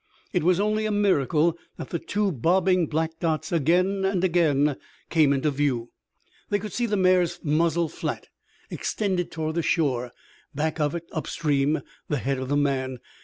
It was only a miracle that the two bobbing black dots again and again came into view. They could see the mare's muzzle flat, extended toward the shore; back of it, upstream, the head of the man.